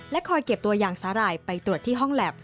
คอยเก็บตัวอย่างสาหร่ายไปตรวจที่ห้องแล็บ